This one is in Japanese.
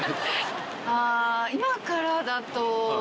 あ今からだと。